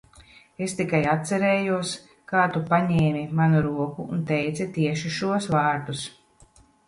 Es tikai atcerējos, kā tu paņēmi manu roku un teici tieši šos vārdus.